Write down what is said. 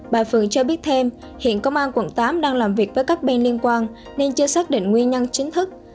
bà phượng cho biết thêm hiện công an quận tám đang làm việc với các bên liên quan nên chưa xác định nguyên nhân chính thức